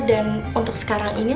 dan untuk sekarang ini